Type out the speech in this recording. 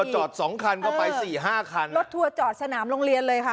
จอดสองคันเข้าไปสี่ห้าคันรถทัวร์จอดสนามโรงเรียนเลยค่ะ